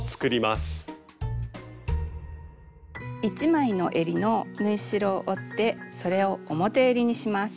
１枚のえりの縫い代を折ってそれを表えりにします。